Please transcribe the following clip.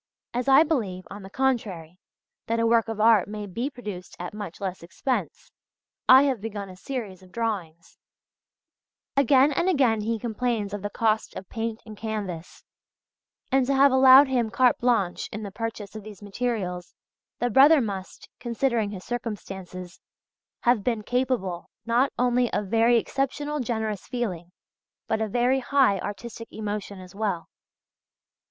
As I believe, on the contrary, that a work of art may be produced at much less expense, I have begun a series of drawings" (see also page 50). Again and again he complains of the cost of paint and canvas, and to have allowed him carte blanche in the purchase of these materials, the brother must, considering his circumstances, have been capable not only of very exceptional generous feeling, but of very high artistic emotion as well.